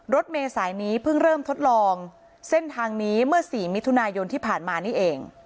รถเมษายนี้เพิ่งเริ่มทดลองเส้นทางนี้เมื่อ๔มิถุนายนที่ผ่านมานี่เอง